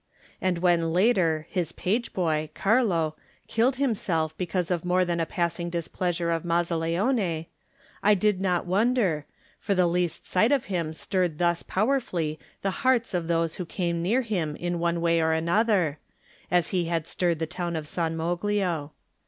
And when later his page boy, Carlo, killed himself be cause of more than a passing displeasure of Mazzaleone, I did not wonder, for the least sight of him stirred thus powerfully the hearts of those who came near him in one way or another, as he had stirred the town of San Moglio.